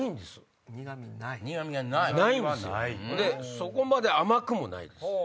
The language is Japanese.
そこまで甘くもないです。